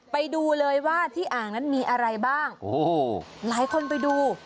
ไปดูเลยว่าที่อ่างนั้นมีอะไรบ้างโอ้โหหลายคนไปดู